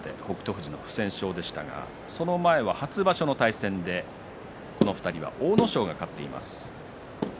富士が不戦勝でしたがその前は初場所の対戦でこの２人は阿武咲が勝っています。